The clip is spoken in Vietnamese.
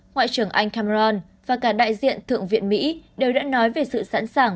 ngoại trưởng anh cameron và cả đại diện thượng viện mỹ đều đã nói về sự sẵn sàng